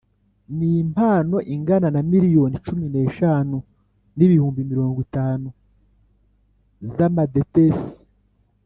n impano ingana na miliyoni cumi n eshatu n ibihumbi mirongo itanu z Amadetesi